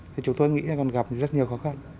thì chúng tôi nghĩ là còn gặp rất nhiều khó khăn